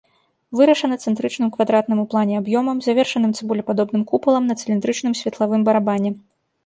Вырашана цэнтрычным квадратным у плане аб'ёмам, завершаным цыбулепадобным купалам на цыліндрычным светлавым барабане.